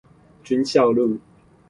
軍校路